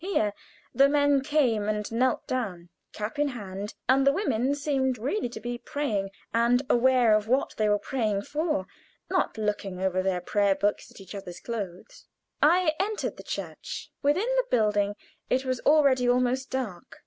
Here the men came and knelt down, cap in hand, and the women seemed really to be praying, and aware of what they were praying for, not looking over their prayer books at each other's clothes. I entered the church. Within the building it was already almost dark.